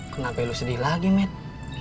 kenapa lu sedih lagi matt